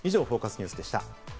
ニュースでした。